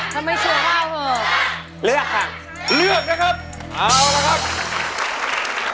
ทำไมเชื่อว่าเถอะเลือกค่ะเลือกนะครับเอาละครับ